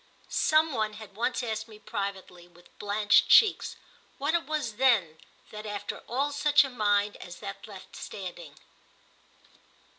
Some one had once asked me privately, with blanched cheeks, what it was then that after all such a mind as that left standing.